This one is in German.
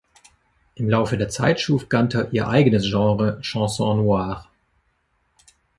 Im Laufe der Zeit schuf Ganter ihr eigenes Genre „Chanson Noir“.